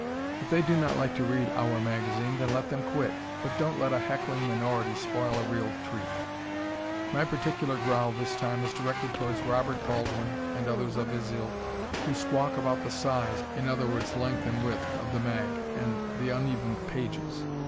If they do not like to read "our" magazine then let them quit, but don't let a heckling minority spoil a real treat. My particular growl this time is directed towards Robert Baldwin and others of his ilk, who squawk about the size (i. e. length and width) of the mag and the uneven pages.